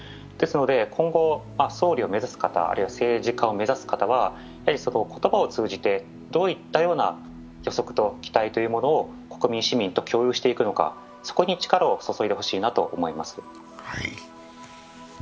今後、総理を目指す方、あるいは政治家を目指す方は言葉を通じてどういったような予測と期待というものを国民・市民と共有していくのか、そこに力を注いでほしいなと思います。